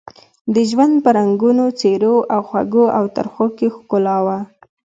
د ژوند په رنګونو، څېرو او خوږو او ترخو کې ښکلا وه.